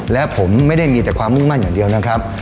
และผมไม่ได้มีแต่ความมุ่งมั่นอย่างเดียวนะครับ